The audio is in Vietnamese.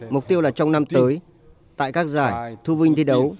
mục tiêu là trong năm tới tại các giải thu vinh thi đấu